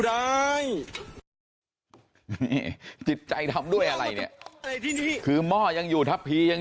แต่ไก่ไม่เหลือละค่ะ